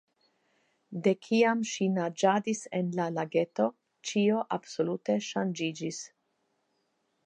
De kiam ŝi naĝadis en la lageto, ĉio absolute ŝanĝiĝis.